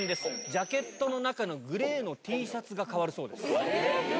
ジャケットの中のグレーのＴシャツが変わるそうです。